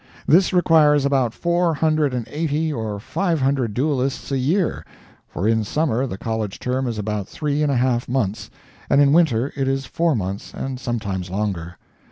This requires about four hundred and eighty or five hundred duelists a year for in summer the college term is about three and a half months, and in winter it is four months and sometimes longer.